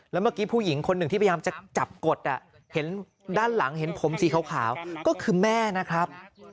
แล้วเมื่อกี้ผู้หญิงคนหนึ่งที่พยายามจะจับกดเห็นด้านหลังเห็นผมสีขาวก็คือแม่นะครับ